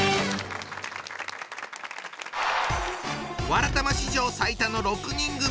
「わらたま」史上最多の６人組。